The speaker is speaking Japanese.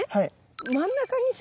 真ん中にさ